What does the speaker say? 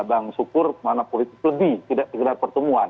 bang sukur mana politik lebih tidak terlihat pertemuan